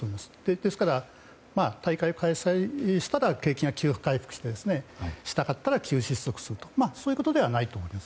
ですから、大会を開催したら景気が急回復してしなかったら持続するというわけではないと思います。